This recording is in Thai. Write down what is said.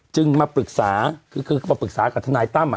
จึงมาปรึกษาคือเขาก็มาปรึกสากับทานายต้ำ